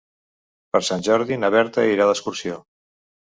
Per Sant Jordi na Berta irà d'excursió.